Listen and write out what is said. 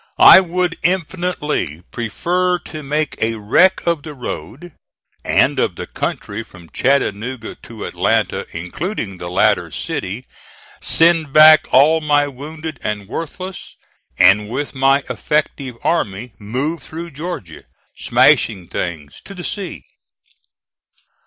I would infinitely prefer to make a wreck of the road, and of the country from Chattanooga to Atlanta including the latter city send back all my wounded and worthless, and with my effective army, move through Georgia, smashing things, to the sea.